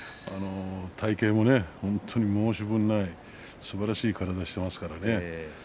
体形も本当に申し分のないすばらしい体をしていますからね。